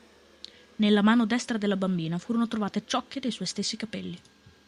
Nella mano destra della bambina furono trovate ciocche dei suoi stessi capelli.